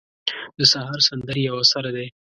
د سهار سندرې یو اثر دی.